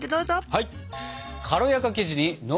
はい。